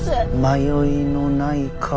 迷いのない顔。